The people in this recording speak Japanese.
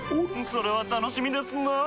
それは楽しみですなぁ。